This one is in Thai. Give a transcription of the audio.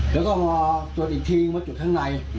แล้วก็มาจุดอีกทีมาจุดข้างใน